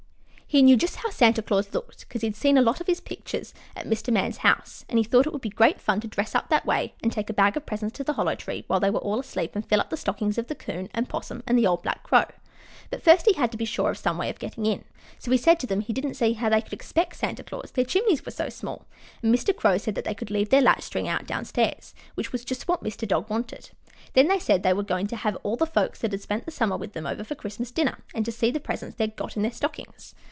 He knew just how Santa Claus looked, 'cause he'd seen lots of his pictures at Mr. Man's house, and he thought it would be great fun to dress up that way and take a bag of presents to the Hollow Tree while they were all asleep and fill up the stockings of the 'Coon and 'Possum and the old black Crow. But first he had to be sure of some way of getting in, so he said to them he didn't see how they could expect Santa Claus, their chimneys were so small, and Mr. Crow said they could leave their latch string out down stairs, which was just what Mr. Dog wanted. Then they said they were going to have all the folks that had spent the summer with them over for Christmas dinner and to see the presents they had got in their stockings.